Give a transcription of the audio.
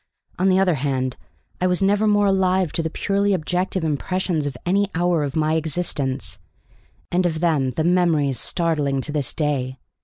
On the other hand, I was never more alive to the purely objective impressions of any hour of my existence, and of them the memory is startling to this day.